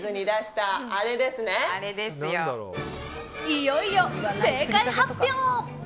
いよいよ、正解発表。